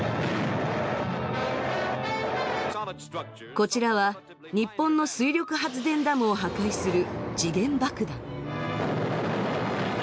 こちらは日本の水力発電ダムを破壊する時限爆弾。